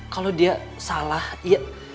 kalau dia salah iya